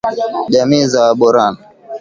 jamii za Waborana